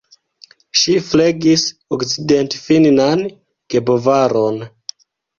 Ŝi flegis okcidentfinnan gebovaron.